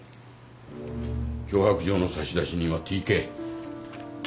脅迫状の差出人はＴ・Ｋ。